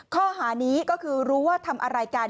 ข้อหานี้ก็คือรู้ว่าทำอะไรกัน